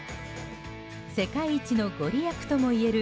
世界一のご利益ともいえる